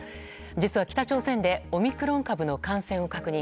実は、北朝鮮でオミクロン株の感染を確認。